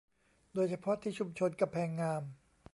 โดยเฉพาะที่ชุมชนกำแพงงาม